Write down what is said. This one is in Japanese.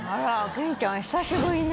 けんちゃん久しぶりね。